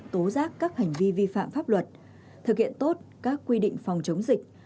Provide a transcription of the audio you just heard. tố giác các hành vi vi phạm pháp luật thực hiện tốt các quy định phòng chống dịch